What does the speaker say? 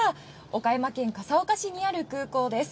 岡山県笠岡市にある空港です。